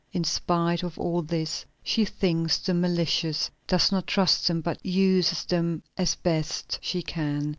In spite of all this, she thinks them malicious, does not trust them, but uses them as best she can.